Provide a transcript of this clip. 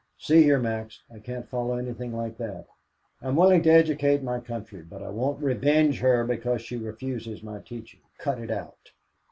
"See here, Max, I can't follow anything like that. I'm willing to educate my country, but I won't revenge her because she refuses my teaching. Cut it out."